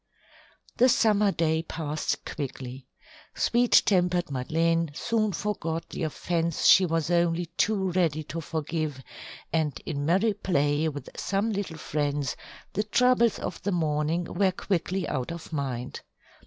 The summer day passed quickly. Sweet tempered Madeleine soon forgot the offence she was only too ready to forgive, and in merry play with some little friends, the troubles of the morning were quickly out of mind.